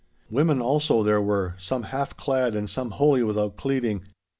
Women also there were, some half clad and some wholly without cleading.